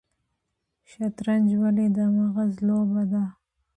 شطرنج ولې د مغز لوبه ده؟